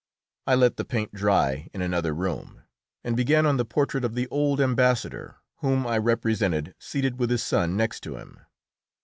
I let the paint dry in another room, and began on the portrait of the old ambassador, whom I represented seated with his son next to him.